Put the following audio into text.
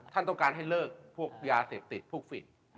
ท่านต้องการให้เลิกพวกยาเสพติดพวกฝี